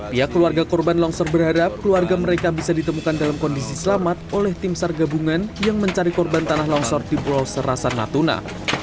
pihak keluarga korban longsor berharap keluarga mereka bisa ditemukan dalam kondisi selamat oleh tim sar gabungan yang mencari korban tanah longsor di pulau serasan natuna